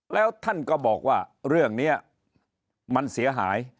แล้วท่านก็บอกว่าเรื่องนี้มันเสียหาย